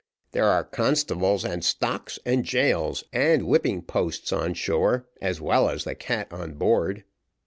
"There are constables, and stocks, and gaols, and whipping posts on shore, as well as the cat on board."